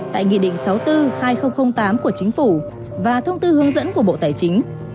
tại nghị định sáu mươi bốn hai nghìn tám của chính phủ và thông tư hướng dẫn của bộ tài chính